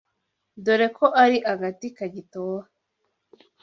Dore ko ari agati kagitoha